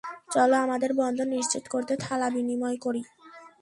চল আমাদের বন্ধন নিশ্চিত করতে থালা বিনিময় করি।